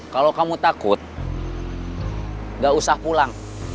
kalau kamu takut nggak usah pulang